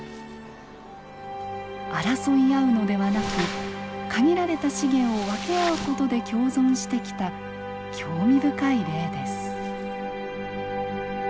争い合うのではなく限られた資源を分け合う事で共存してきた興味深い例です。